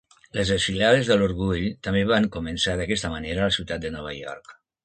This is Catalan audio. Les desfilades de l'Orgull també van començar d'aquesta manera a la ciutat de Nova York.